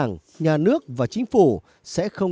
không chỉ ở việt nam